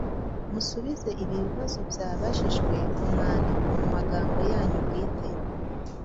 Musubize ibi bibazo byabajijwe ku mwandiko mu magambo yanyu bwite.